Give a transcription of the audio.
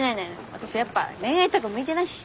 私やっぱ恋愛とか向いてないし。